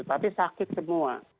tapi sakit semua